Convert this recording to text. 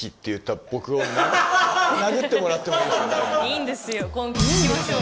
いいんですよ婚期聞きましょう。